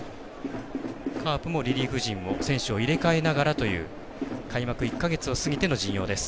カープもリリーフ陣を選手を入れ替えながらという開幕１か月を過ぎての陣容です。